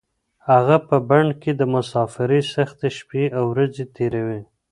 هغه په بن کې د مسافرۍ سختې شپې او ورځې تېروي.